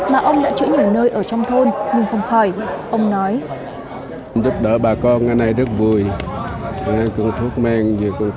mà ông đã chữa nhiều nơi ở trong thôn nhưng không khỏi